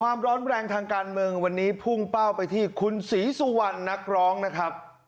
ความร้อนแรงทางการเมืองวันนี้พุ่งเป้าไปที่คุณศรีสุวรรณนักร้องนะครับ